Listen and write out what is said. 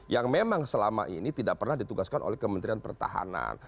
yang memang selama ini tidak pernah ditugaskan oleh kementerian pertahanan